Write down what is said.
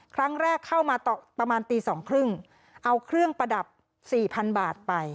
เข้ามาประมาณตีสองครึ่งเอาเครื่องประดับสี่พันบาทไป